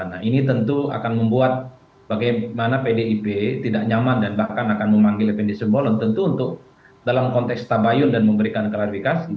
nah ini tentu akan membuat bagaimana pdip tidak nyaman dan bahkan akan memanggil fnd simbolon tentu untuk dalam konteks tabayun dan memberikan klarifikasi